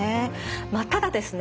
まあただですね